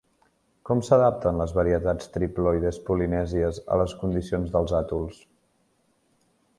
Com s'adapten les varietats triploides polinèsies a les condicions dels atols?